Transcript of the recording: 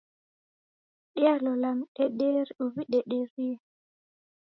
Dialola mdederi uw'idederie